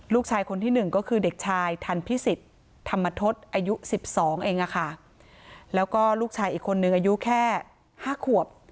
ลูกชายคนที่หนึ่งก็คือเด็กชายธรรพิสิตธรรมทศอายุสิบสองเองอะค่ะแล้วก็ลูกชายอีกคนหนึ่งอายุแค่ห้าขวบ